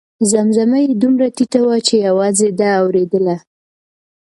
زمزمه یې دومره ټیټه وه چې یوازې ده اورېدله.